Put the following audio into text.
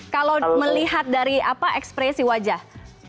kalau melihat dari ekspresi wajah